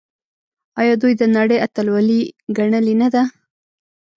آیا دوی د نړۍ اتلولي ګټلې نه ده؟